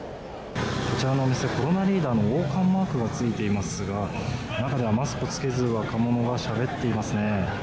こちらのお店、コロナリーダーの王冠マークがついていますが、中ではマスクを着けず、若者がしゃべっていますね。